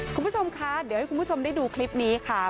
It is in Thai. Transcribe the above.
คุณผู้ชมคะเดี๋ยวให้คุณผู้ชมได้ดูคลิปนี้ค่ะ